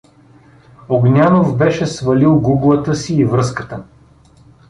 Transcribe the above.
Огнянов беше свалил гуглата си и връзката.